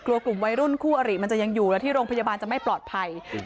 กลุ่มวัยรุ่นคู่อริมันจะยังอยู่แล้วที่โรงพยาบาลจะไม่ปลอดภัย